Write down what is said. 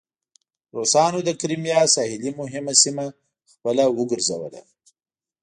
روسانو د کریمیا ساحلي مهمه سیمه خپله وګرځوله.